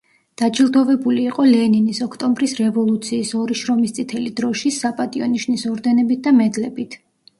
დაჯილდოვებული იყო ლენინის, ოქტომბრის რევოლუციის, ორი შრომის წითელი დროშის, საპატიო ნიშნის ორდენებით და მედლებით.